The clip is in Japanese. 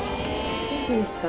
元気ですか？